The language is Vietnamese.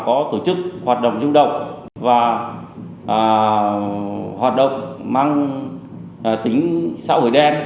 có tổ chức hoạt động lưu động và hoạt động mang tính xã hội đen